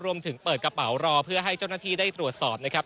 รวมถึงเปิดกระเป๋ารอเพื่อให้เจ้าหน้าที่ได้ตรวจสอบนะครับ